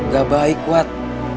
gak baik pat